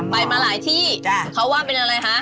ไปมาหลายที่เขาว่าเป็นอะไรคะ